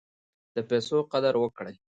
د پیسو قدر وکړئ.